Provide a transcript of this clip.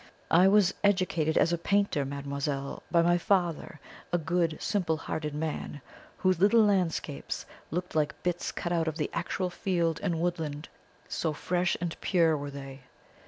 I was educated as a painter, mademoiselle, by my father, a good, simple hearted man, whose little landscapes looked like bits cut out of the actual field and woodland, so fresh and pure were they.